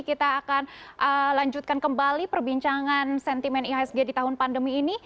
kita akan lanjutkan kembali perbincangan sentimen ihsg di tahun pandemi ini